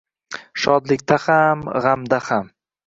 Shodlikda ham, gʼamda ham